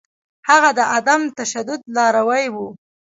هغه د عدم تشدد لاروی و.